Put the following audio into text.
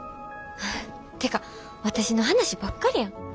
てか私の話ばっかりやん。